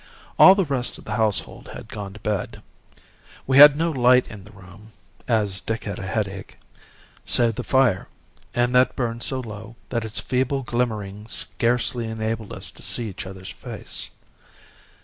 All the rest of the household had gone to bed. We had no light in the room as Dick had a headache save the fire, and that had burned so low that its feeble glimmering scarcely enabled us to see each other's face.